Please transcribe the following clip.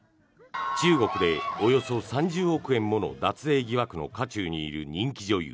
中国でおよそ３０億円もの脱税疑惑の渦中にいる人気女優